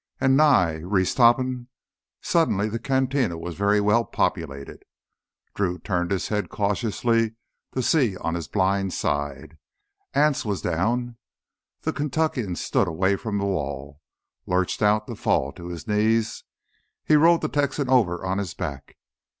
And Nye ... Reese Topham ... suddenly the cantina was very well populated. Drew turned his head cautiously to see on his blind side. Anse was down! The Kentuckian stood away from the wall, lurched out to fall to his knees. He rolled the Texan over on his back.